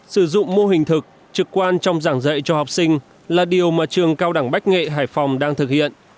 sử dụng mô hình thực trực quan trong giảng dạy cho học sinh là điều mà trường cao đẳng bách nghệ hải phòng đang thực hiện